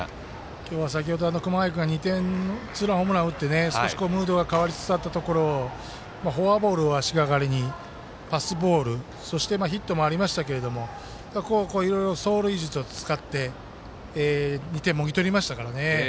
今日は、先ほど熊谷君がツーランホームラン打って少しムードが変わりつつあったところをフォアボールを足がかりにパスボールヒットもありましたがいろいろと走塁術を使って２点、もぎとりましたからね。